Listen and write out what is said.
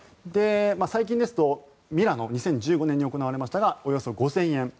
最近ですと、ミラノ２０１５年に行われましたがおよそ５０００円。